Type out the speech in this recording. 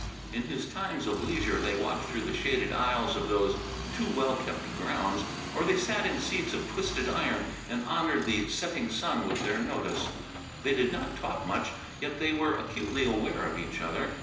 In his times of leisure they walked through the shaded aisles of those too well kept grounds, or they sat in seats of twisted iron and honored the setting sun with their notice. They did not talk much, yet they were acutely aware of each other.